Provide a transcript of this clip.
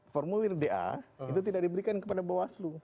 formulir da itu tidak diberikan kepada bawaslu